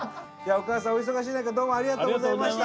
お忙しい中どうもありがとうございました。